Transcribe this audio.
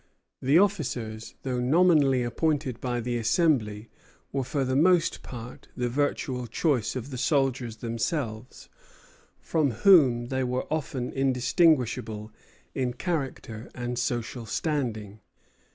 The officers, though nominally appointed by the Assembly, were for the most part the virtual choice of the soldiers themselves, from whom they were often indistinguishable in character and social standing.